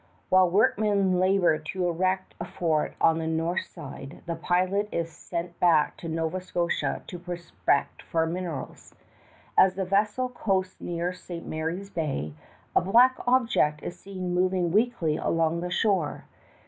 While workmen labor to erect a fort on the north side, the pilot is sent back to Nova Scotia to prospect for minerals. As the vessel coasts near St. Mary's Bay, a black object is seen moving weakly along the shore.